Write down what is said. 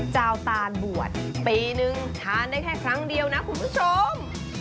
วตานบวชปีนึงทานได้แค่ครั้งเดียวนะคุณผู้ชม